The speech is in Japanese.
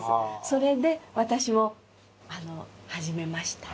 それで私も始めました。